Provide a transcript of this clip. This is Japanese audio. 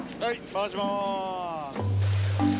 回します。